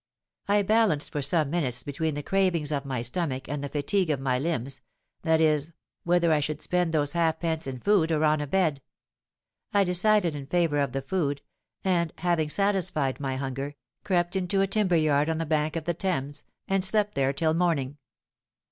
"I balanced for some minutes between the cravings of my stomach and the fatigue of my limbs—that is, whether I should spend those halfpence in food or on a bed. I decided in favour of the food, and having satisfied my hunger, crept into a timber yard on the bank of the Thames, and slept there till morning.